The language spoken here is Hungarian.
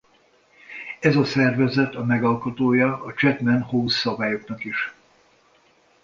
Ez a szervezet a megalkotója a Chatham House-szabályoknak is.